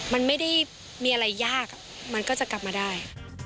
มันไม่ได้มีอะไรยากมันก็จะกลับมาได้